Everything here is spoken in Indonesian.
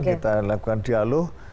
kita lakukan dialog